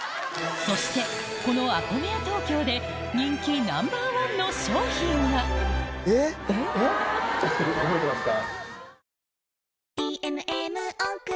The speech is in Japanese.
そしてこのＡＫＯＭＥＹＡＴＯＫＹＯで人気ナンバーワンの商品が覚えてますか？